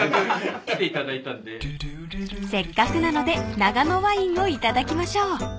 ［せっかくなので長野ワインを頂きましょう］